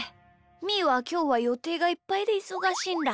みーはきょうはよていがいっぱいでいそがしいんだ。